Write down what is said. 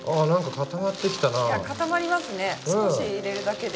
固まりますね少し入れるだけで。